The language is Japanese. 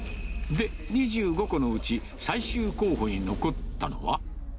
で、２５個のうち、最終候補に残ったのは。